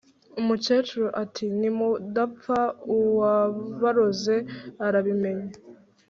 Umukecuru ati"nimudapfa uwabaroze arabimenya